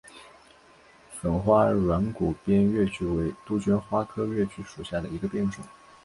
粉花软骨边越桔为杜鹃花科越桔属下的一个变种。